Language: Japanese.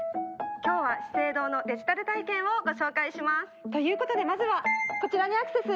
今日は資生堂のデジタル体験をご紹介します！ということでまずはこちらにアクセス！